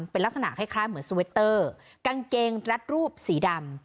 เป็นลักษณะคล้ายเหมือนสวิตเตอร์กางเกงรัดรูปสีดำ